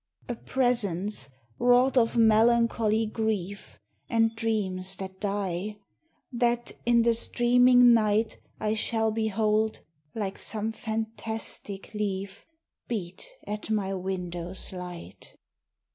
A presence wrought of melancholy grief, And dreams that die; that, in the streaming night, I shall behold, like some fantastic leaf, Beat at my window's light.